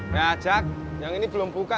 nah jack yang ini belum buka jack